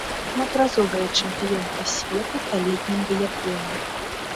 Шматразовая чэмпіёнка свету па летнім біятлоне.